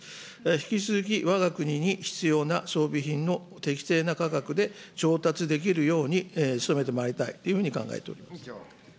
引き続き、わが国に必要な装備品の適正な価格で調達できるように努めてまいりたいというふうに考えております。